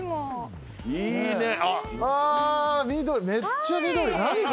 あめっちゃ緑。